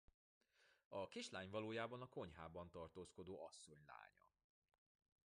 A kislány valójában a konyhában tartózkodó asszony lánya.